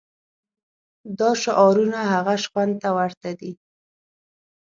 دا شعارونه هغه شخوند ته ورته دي.